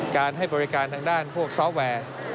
การให้บริการทางด้านพวกซอฟต์แวร์